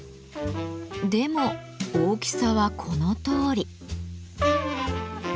でも大きさはこのとおり。